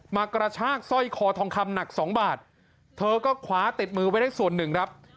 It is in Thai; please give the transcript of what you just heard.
มากระชากสร้อยคอทองคำหนักสองบาทเธอก็คว้าติดมือไว้ได้ส่วนหนึ่งครับ